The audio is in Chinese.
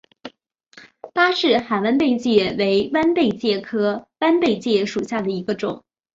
巴士海弯贝介为弯贝介科弯贝介属下的一个种。